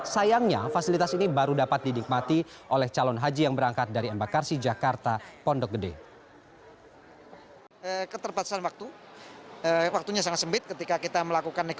sayangnya fasilitas ini baru dapat dinikmati oleh calon haji yang berangkat dari embakasi jakarta pondok gede